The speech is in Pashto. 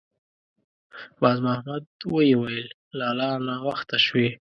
باز محمد ویې ویل: «لالا! ناوخته شوې.»